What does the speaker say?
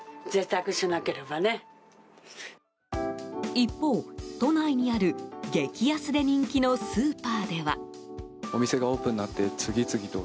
一方、都内にある激安で人気のスーパーでは。